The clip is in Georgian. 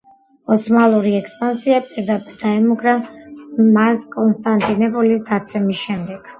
ოსმალური ექსპანსია პირდაპირ დაემუქრა მას კონსტანტინოპოლის დაცემის შემდეგ.